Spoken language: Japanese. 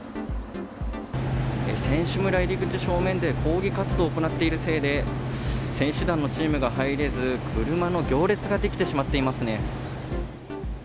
選手村入り口正面で、抗議活動を行っているせいで、選手団のチームが入れず、車の行列が出来てしまっていますね。